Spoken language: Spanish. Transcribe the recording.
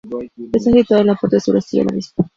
Está situado en la parte suroeste de la misma.